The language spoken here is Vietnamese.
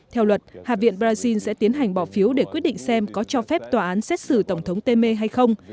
theo luật hạ viện brazil sẽ tiến hành bỏ phiếu để quyết định xem có cho phép tòa án xét xử tổng thống temer hay không